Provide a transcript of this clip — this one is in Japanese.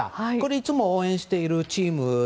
いつも応援しているチーム